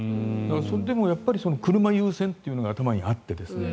それでも、車優先っていうのが頭にあって。